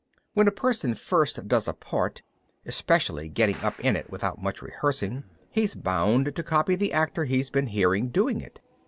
When a person first does a part, especially getting up in it without much rehearsing, he's bound to copy the actor he's been hearing doing it.